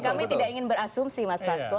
kami tidak ingin berasumsi mas fasko